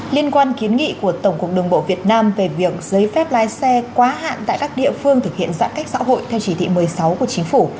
liên quan kiến nghị của tổng cục đường bộ việt nam về việc giấy phép lái xe quá hạn tại các địa phương thực hiện giãn cách xã hội theo chỉ thị một mươi sáu của chính phủ